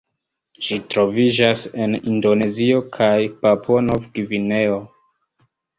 Ĝi troviĝas en Indonezio kaj Papuo-Nov-Gvineo.